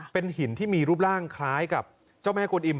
เป็นหินที่มีรูปร่างคล้ายกับเจ้าแม่กวนอิ่